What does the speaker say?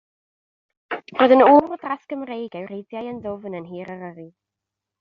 Roedd yn ŵr o dras Gymreig a'i wreiddiau yn ddwfn yn nhir Eryri.